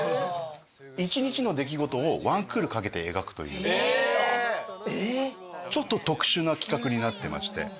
一日の出来事をワンクールかけて描くというちょっと特殊な企画になってまして。